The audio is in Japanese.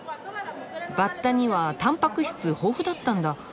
バッタにはたんぱく質豊富だったんだ。